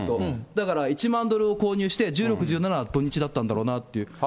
だから１万ドル購入して１６、１７は土日だったんだろうなと。